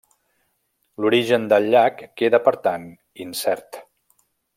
L'origen del llac queda, per tant, incert.